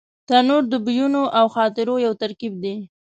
تنور د بویونو او خاطرو یو ترکیب دی